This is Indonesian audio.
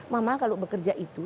mama kalau bekerja itu